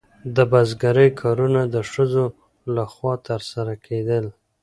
د بزګرۍ کارونه د ښځو لخوا ترسره کیدل.